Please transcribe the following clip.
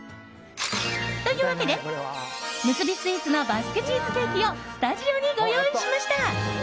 というわけで、むすびスイーツのバスクチーズケーキをスタジオにご用意しました。